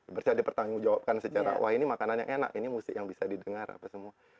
bersedia pertanyaan menjawabkan secara wah ini makanan yang enak ini musik yang bisa didengar apa semua